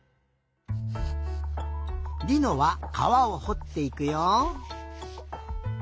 りのはかわをほっていくよ。